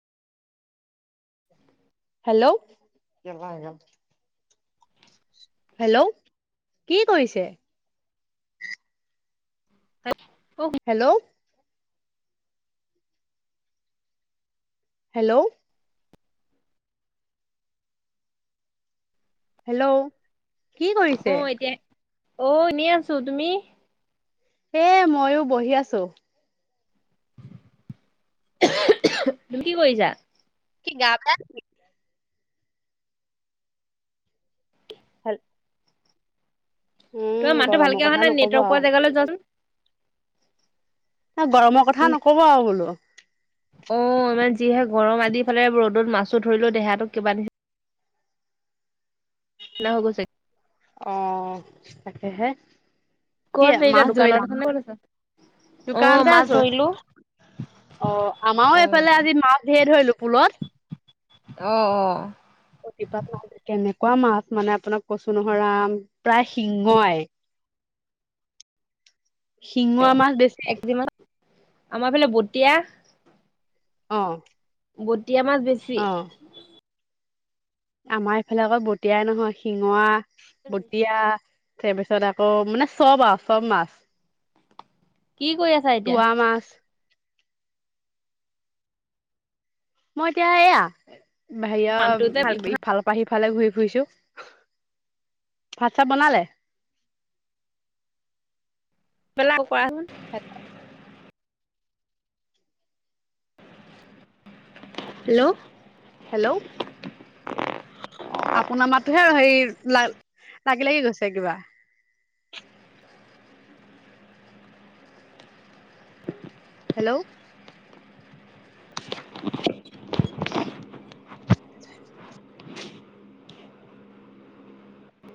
Hello hello, কি কৰিছে? [unintelligible] Hello hello hello, কি কৰিছে? অ' এতিয়া অ, এনেই আছো। তুমি? এ মইয়ো বহি আছো। তুমি কি কৰিছা? কি গা বেয়া নেকি এতিয়া? হল। তোমাৰ মাতটো ভালকে অহা কথা নাই, নকব নেটৱৰ্ক আও পোৱা জেগালে যোৱাচোন। গৰমৰ কথা নকব আৰু বোলো। অ, ইমান যিহে গৰম আদি ফালে ৰ'দত মাছো ধৰিলো। দেহাটো কিবা নি ন হ গছে অ তাকেহে কি ক'ত এতিয়া মাছ ধৰিলা? দোকানত আছা নে ক'ত আছা? অ দোকানতে মাছ আছো, ধৰিলো অ আমাৰো অ। এইফালে আজি মাছ ধেৰ ধৰিলো। পুলত। অ অ। প্ৰতিপাত মা কেনেকুৱা মাছ মানে আপোনাক কচু নহয় আম প্ৰায় শিংৰাই। শিঙৰা মাছ বেছি? এক কেজি মান আমাৰ ফালে বতিয়া অ। বটিয়া মাছ বেছি। অ। আমাৰ এইফালে আকৌ বটিয়াই নহয়, শিঙৰা, বটিয়া তাৰ পিছত আকৌ মানে চব আ চব মাছ। কি কৰি আছা এতিয়া? তোৱা মাছ মই এতিয়া এয়া হেয়া মাতটো যে ভালকে ইফালৰ পৰা সি ফালে ঘূৰি ফুৰিছো। ভাত চাত বনালে? [unintelligible] পে লাক কৰাচোন। হেল্ল'? হেল্ল'? অ [inaudible] অ আপোনাৰ মাতোহে হে লা লাগি লাগি গৈছে কিবা? হেল্ল'? [unintelligible]